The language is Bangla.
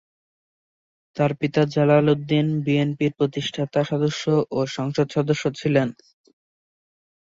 তার পিতা জালাল উদ্দিন বিএনপির প্রতিষ্ঠাতা সদস্য ও সংসদ সদস্য ছিলেন।